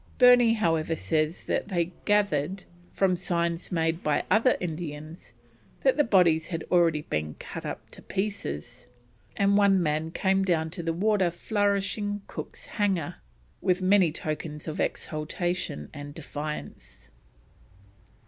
Burney, however, says that they gathered, from signs made by some other Indians, that the bodies had already been cut to pieces, and one man came down into the water flourishing Cook's hanger "with many tokens of exultation and defiance."